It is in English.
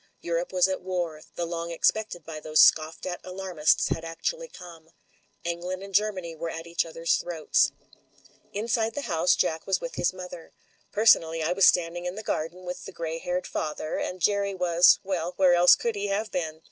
Europe was at war; the long expected by those scoffed at alarmists had actually come. England and Germany were at each other's throats. io6 MEN, WOMEN AND GUNS Inside the house Jack was with his mother. Per sonally, I was standing in the garden with the grey haired father ; and Jerry was — ^well, where else could he have been?